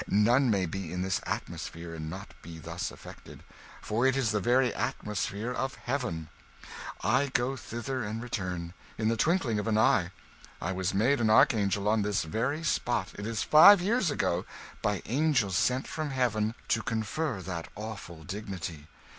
None may be in this atmosphere and not be thus affected; for it is the very atmosphere of heaven. I go thither and return, in the twinkling of an eye. I was made an archangel on this very spot, it is five years ago, by angels sent from heaven to confer that awful dignity.